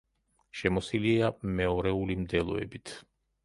შემოსილია მეორეული მდელოებით.